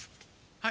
はい。